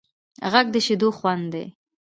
غږ د شیدو خوند دی